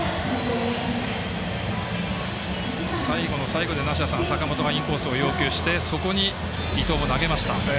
最後の最後で坂本がインコースを要求してそこに伊藤も投げました。